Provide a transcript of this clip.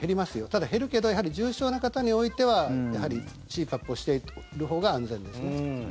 ただ、減るけどやはり重症な方においてはやはりＣＰＡＰをしているほうが安全ですね。